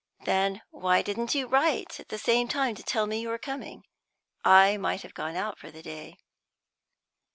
"Then why didn't you write at the same time and tell me you were coming? I might have gone out for the day."